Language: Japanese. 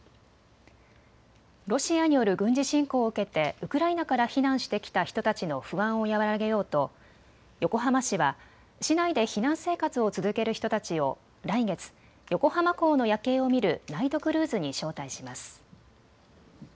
ロシアによる軍事侵攻を受けてウクライナから避難してきた人たちの不安を和らげようと、横浜市は市内で避難生活を続ける人たちを来月、横浜港の夜景を見るナイトクルーズに招待します。